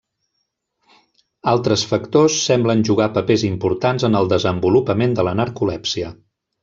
Altres factors semblen jugar papers importants en el desenvolupament de la narcolèpsia.